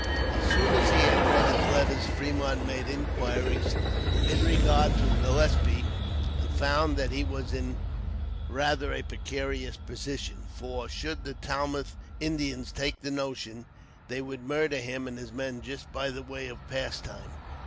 As soon as he had read his letters, Fremont made inquiries in regard to Gillespie, and found that he was in rather a precarious position; for, should the Tlamath Indians take the notion, they would murder him and his men just by the way of pastime.